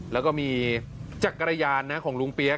แล้วก็มีจักรยานนะของลุงเปี๊ยก